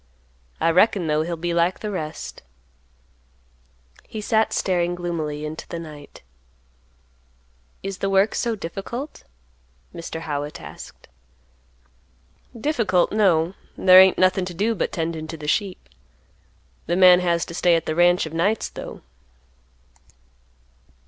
I reckon, though, he'll be like the rest." He sat staring gloomily into the night. "Is the work so difficult?" Mr. Howitt asked. "Difficult, no; there ain't nothing to do but tendin' to the sheep. The man has to stay at the ranch of nights, though."